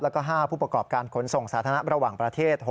แล้วก็๕ผู้ประกอบการขนส่งสาธารณะระหว่างประเทศ